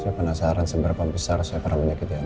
saya penasaran seberapa besar saya pernah menyakiti andien